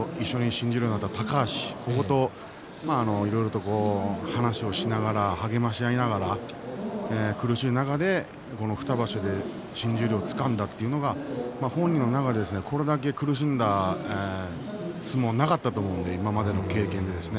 新十両になった高橋ここといろいろと話をしながら励まし合いながら苦しい中で、この２場所で新十両をつかんだというのは本人の中でこれだけ苦しんだ相撲はなかったと思うので今までの経験で。